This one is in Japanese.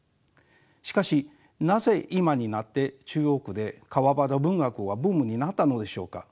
しかしなぜ今になって中国で川端文学がブームになったのでしょうか。